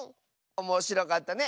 おもしろかったね